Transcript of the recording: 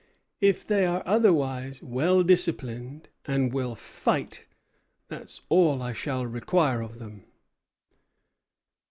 If they are otherwise well disciplined, and will fight, that's all I shall require of them."